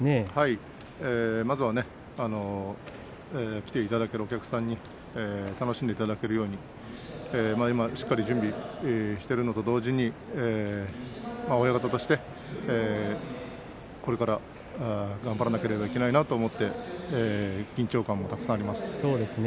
まずは来ていただけるお客さんに楽しんでいただけるように今、しっかり準備をしているのと同時に親方として、これから頑張らなければいけないなと思って緊張感もたくさんあります。